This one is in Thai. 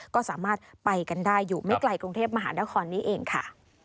ก็สามารถไปกันได้อยู่ไม่ไกลกรุงเทพมหานครนี้เองค่ะ